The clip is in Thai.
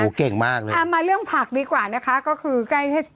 โอเคมากเลยเอามาเรื่องผักดีกว่านะคะก็คือใกล้พระเศรษฐกาล